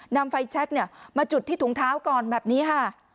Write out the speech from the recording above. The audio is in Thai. นำไฟแชคมาจุดที่ถุงเท้าก่อนแบบนี้ค่ะ